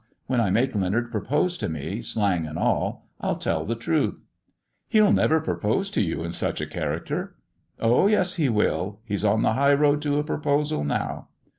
When I make Leonard propose to me, slang and all. Til tell the truth." " He'll never propose to you in such a character." " Oh, yes, he will ! He's on the high road to a proposal now."